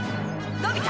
のび太。